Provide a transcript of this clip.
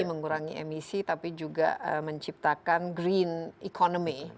mengurangi emisi tapi juga menciptakan green economy